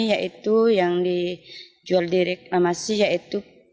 yaitu yang dijual di reklamasi yaitu